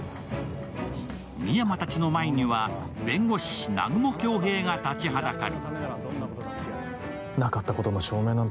深山たちの前には弁護士、南雲恭平が立ちはだかる。